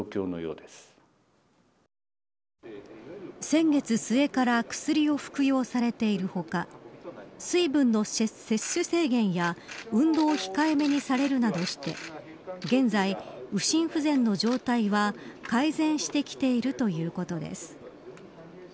先月末から薬を服用されている他水分の摂取制限や運動を控えめにされるなどして現在、右心不全の状態は改善してきているということです。